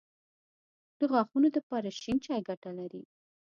د غاښونو دپاره شين چای ګټه لري